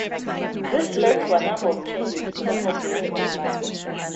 This led to a number of changes for the Hopi way of life.